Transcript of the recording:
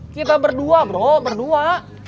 kita berdua bro berdua